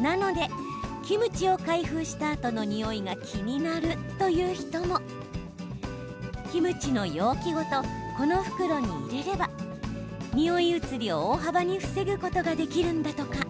なので、キムチを開封したあとのにおいが気になるという人もキムチの容器ごとこの袋に入れればにおい移りを大幅に防ぐことができるんだとか。